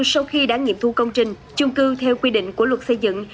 sau khi đã nghiệm thu công trình chung cư theo quy định của luật xây dựng